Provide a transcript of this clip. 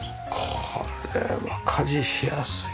これは家事しやすいですね。